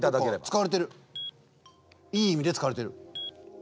いい意味で使われてる。